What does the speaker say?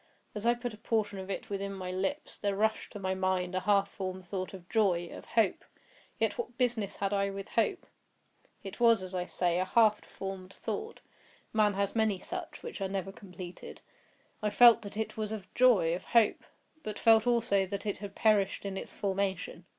As I put a portion of it within my lips, there rushed to my mind a half formed thought of joy—of hope. Yet what business had I with hope? It was, as I say, a half formed thought—man has many such, which are never completed. I felt that it was of joy—of hope; but felt also that it had perished in its formation.